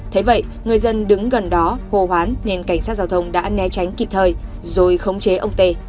thế vậy người dân đứng gần đó hô hoán nên cảnh sát giao thông đã né tránh kịp thời rồi khống chế ông tê